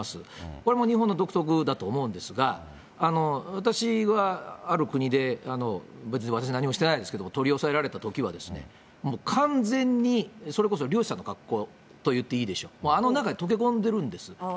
これも日本の独特だと思うんですが、私はある国で、別に私、何もしてないですけど、取り押さえられたときは、もう完全に、それこそ、漁師さんの格好と言っていいでしょう、あの中に溶け込んでるんです。